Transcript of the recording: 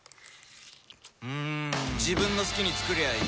自分の好きに作りゃいい